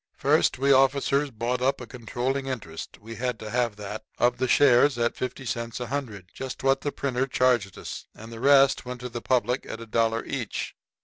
First, we officers bought up a controlling interest we had to have that of the shares at 50 cents a hundred just what the printer charged us and the rest went to the public at a dollar each.